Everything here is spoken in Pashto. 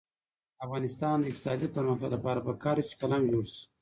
د افغانستان د اقتصادي پرمختګ لپاره پکار ده چې قلم جوړ شي.